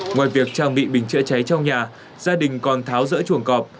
ngoài việc trang bị bình chữa cháy trong nhà gia đình còn tháo rỡ chuồng cọp